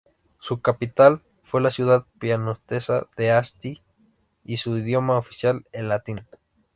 Su capital fue la ciudad piamontesa de Asti y su idioma oficial el latín.